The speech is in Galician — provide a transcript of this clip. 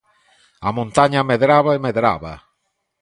A montaña medraba e medraba.